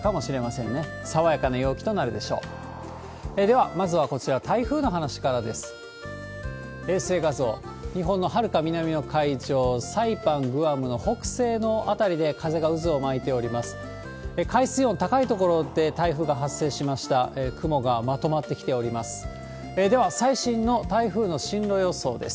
雲がまとまってきております。